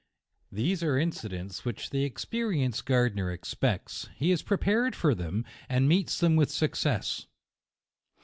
These are incidents which the experienced gardener expects ; he is prepared for them, and meets them with success.